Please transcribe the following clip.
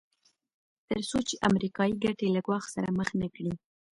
تر څو چې امریکایي ګټې له ګواښ سره مخ نه کړي.